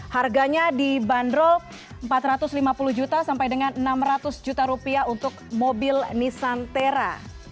harganya dibanderol rp empat ratus lima puluh juta sampai dengan enam ratus juta rupiah untuk mobil nisan tera